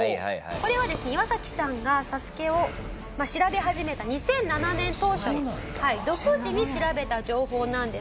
これはですねイワサキさんが『ＳＡＳＵＫＥ』を調べ始めた２００７年当初の独自に調べた情報なんですけれども。